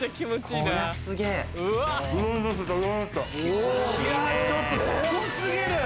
いやちょっとすご過ぎる！